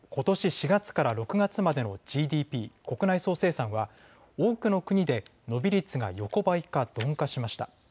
４月から６月までのＧＤＰ・国内総生産は多くの国で伸び率が横ばいか鈍化しました。